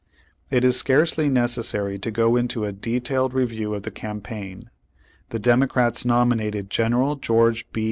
It is scarcely necessary to go into a detailed re view of the campaign. The Democrats nominated General George B.